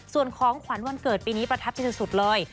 ส่วนของขวัญวันเกิดปีนี้ประทับใจสุดเลย